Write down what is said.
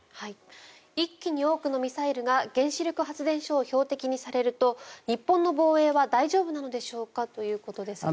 一気に多くのミサイルが原子力発電所を標的にされると日本の防衛は大丈夫なのでしょうかということですが。